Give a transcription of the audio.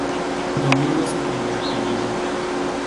Domingo es su primer apellido.